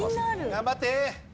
頑張って！